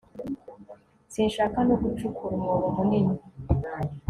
Sinshaka no gucukura umwobo munini